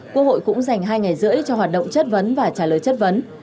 quốc hội cũng dành hai ngày rưỡi cho hoạt động chất vấn và trả lời chất vấn